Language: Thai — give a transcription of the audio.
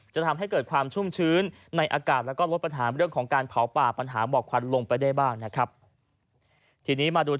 จะทำให้เกิดความชุ่มชื้นในอากาศและลดปัญหาเรื่องของการเผาป่าปัญหาบอกควันลงไปได้บ้าง